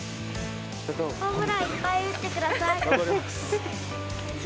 ホームランいっぱい打ってく頑張ります。